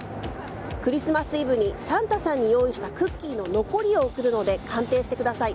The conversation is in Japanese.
クリスマスイブにサンタさんに用意したクッキーの残りを送るので鑑定してください。